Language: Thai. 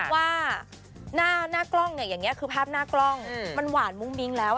ว่าหน้ากล้องเนี่ยอย่างนี้คือภาพหน้ากล้องมันหวานมุ้งมิ้งแล้ว